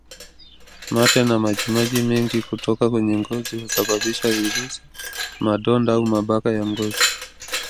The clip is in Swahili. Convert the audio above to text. Mate na majimaji mengine kutoka kwenye ngozi hubeba virusi Madonda au mabaka ya ngozi